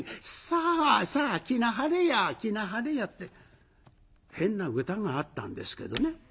さあさあ着なはれや着なはれや」って変な歌があったんですけどね。